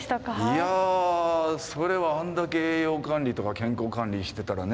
いやあそれはあんだけ栄養管理とか健康管理してたらね